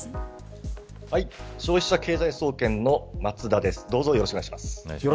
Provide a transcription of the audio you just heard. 消費者経済総研の松田です。